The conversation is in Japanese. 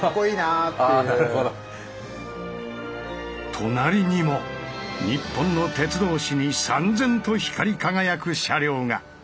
隣にも日本の鉄道史にさん然と光り輝く車両が！